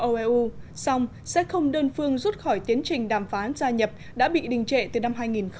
eu song sẽ không đơn phương rút khỏi tiến trình đàm phán gia nhập đã bị đình trệ từ năm hai nghìn một mươi